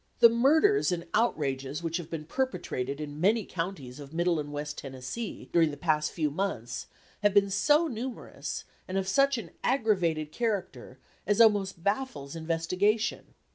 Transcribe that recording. "The murders and outrages which have been perpetrated in many counties of Middle and West Tennessee, during the past few months, have been so numerous, and of such an aggravated character, as almost baffles investigation.